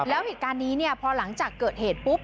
แล้วเหตุการณ์นี้เนี่ยพอหลังจากเกิดเหตุปุ๊บ